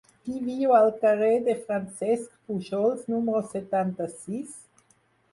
Qui viu al carrer de Francesc Pujols número setanta-sis?